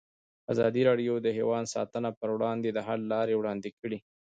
ازادي راډیو د حیوان ساتنه پر وړاندې د حل لارې وړاندې کړي.